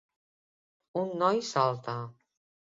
Un noi salta.